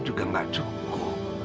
juga gak cukup